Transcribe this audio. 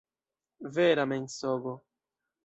Vera mensogo.